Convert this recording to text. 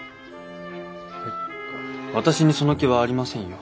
えっ私にその気はありませんよ。